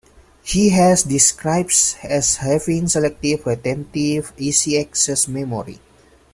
He has been described as having Selective Retentive Easy-Access Memory.